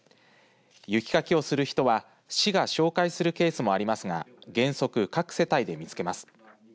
雪かきをする人は市が紹介するケースもありますが原則、各世帯で見つけます。